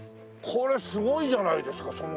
これすごいじゃないですか。